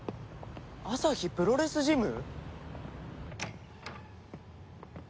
旭プロレスジム？